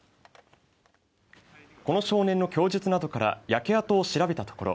この少年の供述などから焼け跡を調べたところ